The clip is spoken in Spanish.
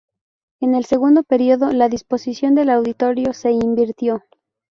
En el segundo periodo, la disposición del auditorio se invirtió.